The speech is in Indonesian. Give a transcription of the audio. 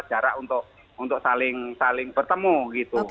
jarak untuk saling bertemu gitu